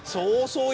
そう。